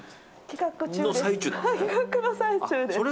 企画の最中です。